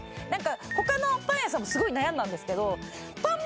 他のパン屋さんもすごい悩んだんですけど。